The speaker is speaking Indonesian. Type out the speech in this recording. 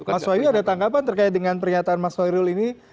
mas wayu ada tanggapan terkait dengan pernyataan mas khairul ini